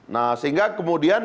nah sehingga kemudian